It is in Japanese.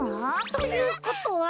ということは。